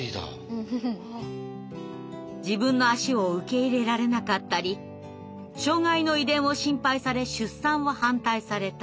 自分の足を受け入れられなかったり障害の遺伝を心配され出産を反対されたり。